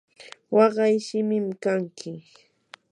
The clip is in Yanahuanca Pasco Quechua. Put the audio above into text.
waqay sikim kanki.